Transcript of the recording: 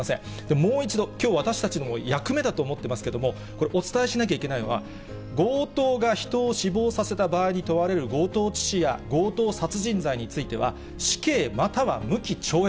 もう一度、きょう私たちの役目だと思ってますけれども、これ、お伝えしなきゃいけないのは、強盗が人を死亡させた場合に問われる強盗致死や強盗殺人罪については、死刑または無期懲役。